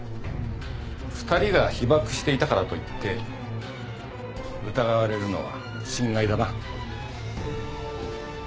二人が被ばくしていたからといって疑われるのは心外だな。